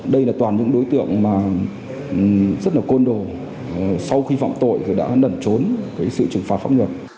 đây là toàn những đối tượng rất là côn đồ sau khi phòng tội đã nẩn trốn sự trừng phạt phòng ngừa